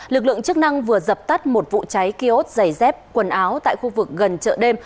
lực lượng chức năng vừa dập tắt một vụ cháy kiosk giày dép quần áo tại khu vực gần chợ đêm